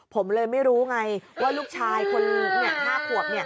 ผมเลยไม่รู้ไงว่าลูกชายคน๕ขวบ